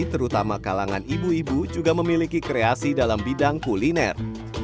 terutama kalangan ibu ibu juga memiliki kreasi dalam bidang kuliner